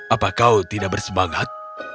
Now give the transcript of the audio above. apakah kau tidak bersemangat